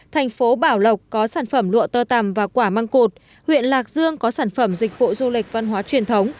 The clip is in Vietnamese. thành phố bảo lộc có sản phẩm lụa tơ tằm và quả măng cột huyện lạc dương có sản phẩm dịch vụ du lịch văn hóa truyền thống